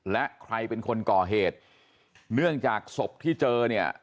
และใครเป็นคนก่อเหตุเนื่องจากศพที่เจอเนี่ย